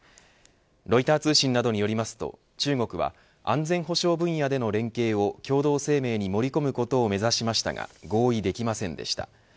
ロイター通信などによりますと中国は安全保障分野での連携を共同声明に盛り込むことを目指しましたが合意できませんでした。